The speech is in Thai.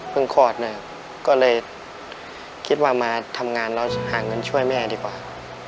เพิ่งขวดหน่อยก็เลยคิดว่ามาทำงานแล้วหาเงินช่วยแม่ดีกว่า